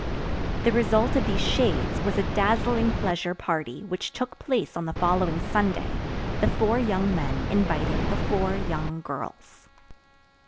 The result of these shades was a dazzling pleasure party which took place on the following Sunday, the four young men inviting the four young girls.